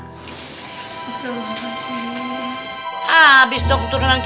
apa lu mau ntar kalo si robby kagak punya turunan kagak punya anak